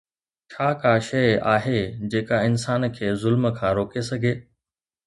ڇا ڪا شيءِ آهي جيڪا انسان کي ظلم کان روڪي سگهي؟